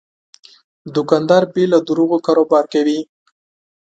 دوکاندار بې له دروغو کاروبار کوي.